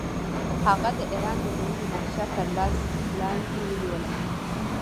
هغه د ایران د نیولو نقشه تر لاس لاندې ونیوله.